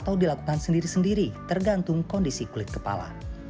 atau dilakukan sendiri sendiri tergantung kondisi kulit kepala